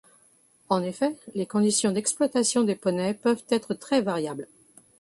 En effet, les conditions d'exploitation des poneys peuvent être très variables.